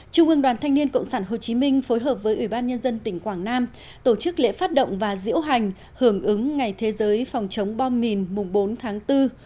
trung ương đoàn thanh niên cộng sản hồ chí minh phối hợp với ủy ban nhân dân tỉnh quảng nam tổ chức lễ phát động và diễu hành hưởng ứng ngày thế giới phòng chống bom mìn mùng bốn tháng bốn